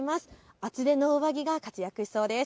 厚手の上着が活躍しそうです。